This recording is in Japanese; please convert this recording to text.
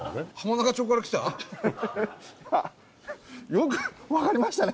よく分かりましたね。